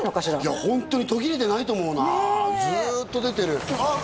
いやホントに途切れてないと思うなずっと出てるあっ